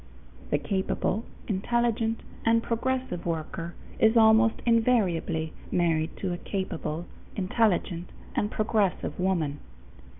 The capable, intelligent, and progressive worker is almost invariably married to a capable, intelligent, and progressive woman.